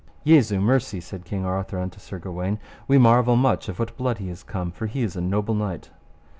Jesu mercy, said King Arthur and Sir Gawaine, we marvel much of what blood he is come, for he is a noble knight.